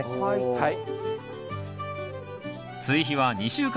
はい。